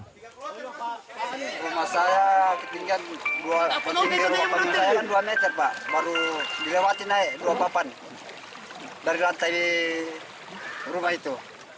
pembesaran dua meter pak baru dilewati naik dua bapan dari rantai rumah itu